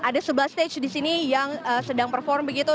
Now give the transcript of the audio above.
ada sebelas stage di sini yang sedang perform begitu